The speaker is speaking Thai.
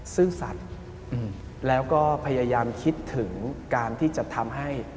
ซื่อสัตว์แล้วก็พยายามคิดถึงการที่จะทำให้